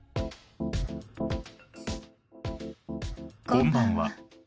こんばんは。